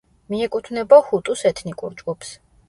მიეკუთვნება ჰუტუს ეთნიკურ ჯგუფს.